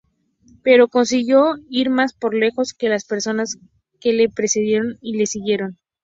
Pero consiguió ir más lejos que las personas que le precedieron y le siguieron.